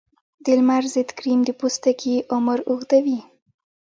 د لمر ضد کریم د پوستکي عمر اوږدوي.